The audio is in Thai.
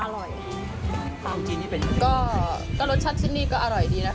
ก็รสชาติที่นี่ก็อร่อยดีนะคะ